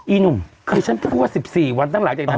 อีหนุ่มเคยฉันคิดว่า๑๔วันตั้งหลักจากนั้น